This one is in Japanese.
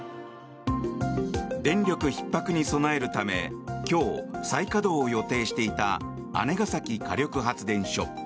電力ひっ迫に備えるため今日、再稼働を予定していた姉崎火力発電所。